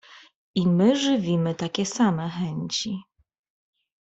"I my żywimy takie same chęci."